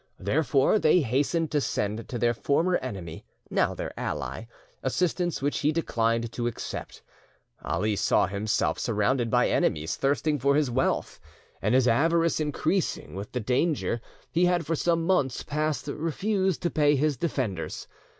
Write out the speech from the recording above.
Therefore they hastened to send to their former enemy, now their ally, assistance which he declined to accept. Ali saw himself surrounded by enemies thirsting for his wealth, and his avarice increasing with the danger, he had for some months past refused to pay his defenders.